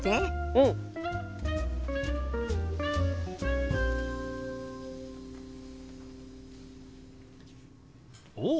うん！おっ！